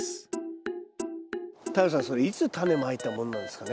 太陽さんそれいつタネまいたものなんですかね？